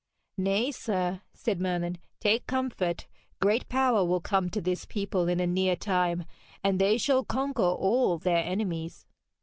'Nay, sir,' said Merlin, 'take comfort. Great power will come to this people in a near time, and they shall conquer all their enemies.'